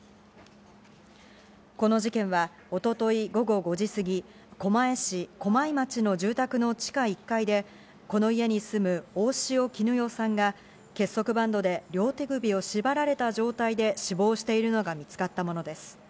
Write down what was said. この事件は一昨日午後５時過ぎ、狛江市駒井町の住宅の地下１階でこの家に住む大塩衣与さんが結束バンドで両手首を縛られた状態で死亡しているのが見つかったものです。